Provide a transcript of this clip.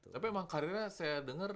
tapi emang karirnya saya dengar